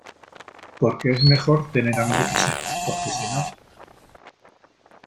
porque es mejor tener hambre que sed , porque sino